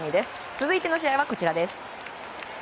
続いての試合は、こちらです。